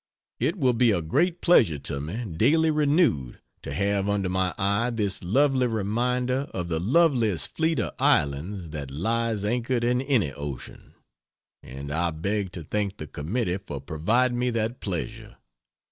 It will be a great pleasure to me, daily renewed, to have under my eye this lovely reminder of the loveliest fleet of islands that lies anchored in any ocean, and I beg to thank the Committee for providing me that pleasure.